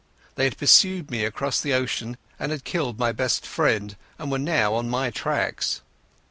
They had pursued me across the ocean, and had killed my best friend, and were now on my tracks.